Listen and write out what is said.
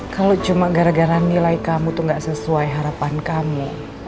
kalau cuma gara gara nilai kamu tuh gak sesuai harapan kamu